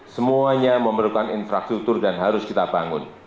semuanya memerlukan infrastruktur dan harus kita bangun